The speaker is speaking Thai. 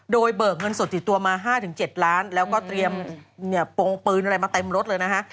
โดยเบิกเงินสดติดตัวมา๕๗ล้านแล้วก็เตรียมโปรงปืนอะไรมาเต็มรถเลยนะฮะ